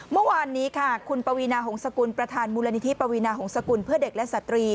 เมื่อวานนี้ค่ะคุณปวีนาหงษกุลประธานมูลนิธิปวีนาหงษกุลเพื่อเด็กและสตรี